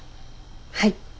はい。